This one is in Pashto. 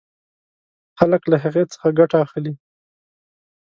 خلک له هغې څخه ګټه اخلي.